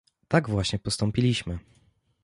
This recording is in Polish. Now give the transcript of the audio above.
Tak właśnie postąpiliśmy